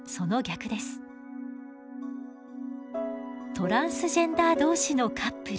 トランスジェンダー同士のカップル。